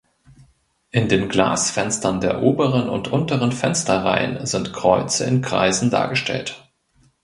In den Glasfenstern der oberen und unteren Fensterreihen sind Kreuze in Kreisen dargestellt.